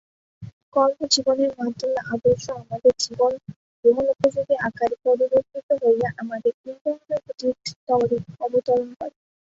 কর্মজীবনের মাধ্যমে আদর্শ আমাদের জীবনে গ্রহণোপযোগী আকারে পরিবর্তিত হইয়া আমাদের ইন্দ্রিয়ানুভূতির স্তরে অবতরণ করে।